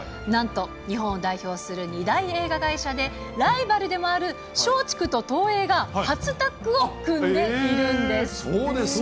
なんと日本を代表する２大映画会社で、ライバルでもある松竹と東映が初タッグを組んでいるんです。